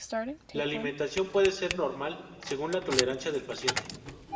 La alimentación puede ser normal según la tolerancia del paciente.